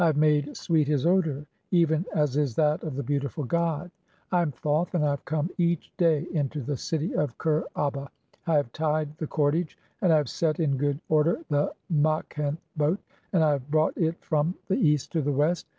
343 "have made sweet his odour, even as is that of the beautiful "god." "I am Thoth, and I have come each day into the city of (24) "Kher aba. I have tied the cordage and I have set in good "order the Makhent boat, and I have brought [it] [from] the "East [to] the West.